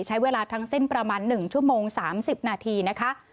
ใช้เวลาทั้งสิ้นประมาณ๑ชั่วโมง๓๐นาทีนะคะ